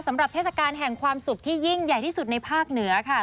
เทศกาลแห่งความสุขที่ยิ่งใหญ่ที่สุดในภาคเหนือค่ะ